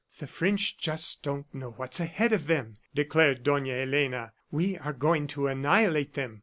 "The French just don't know what's ahead of them," declared Dona Elena. "We are going to annihilate them.